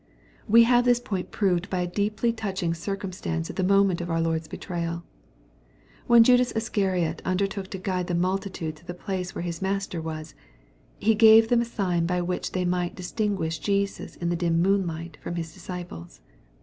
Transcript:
We have this point proved by a deeply touching cir cumstance at the moment of our Lord's betrayal. When Judas Iscariot undertook to guide the multitude to the place where his Master was, he gave them a sign by which they might distinguish Jesus in the dim moonlight from his disciples.